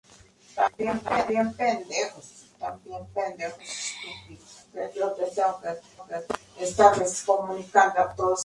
Fue miembro del consejo de redacción de la desaparecida revista "Lateral".